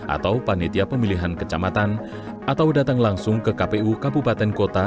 atau panitia pemilihan kecamatan atau datang langsung ke kpu kabupaten kota